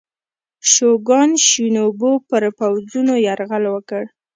شوګان شینوبو پر پوځونو یرغل وکړ.